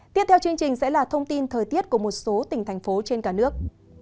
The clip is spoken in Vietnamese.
tiếp theo chương trình sẽ là thông tin thời tiết của một số tỉnh thành phố trên cả nước